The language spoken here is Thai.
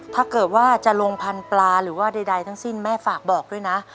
ถ้าเกิดว่าจะลงพันธุ์ปลาหรือว่าใดทั้งสิ้นแม่ฝากบอกด้วยนะ